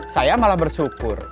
saya malah bersyukur